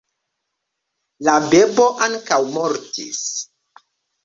La bebo ankaŭ mortis.